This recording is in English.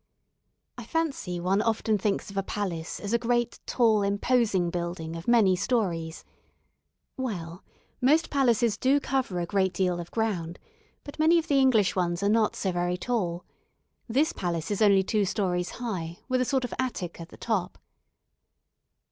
I fancy one often thinks of a palace as a great, tall, imposing building of many stories. Well, most palaces do cover a great deal of ground, but many of the English ones are not so very tall. This palace is only two stories high, with a sort of attic at the top.